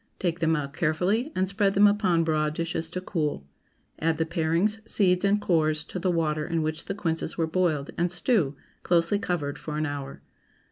Take them out carefully, and spread them upon broad dishes to cool. Add the parings, seeds, and cores, to the water in which the quinces were boiled, and stew, closely covered, for an hour.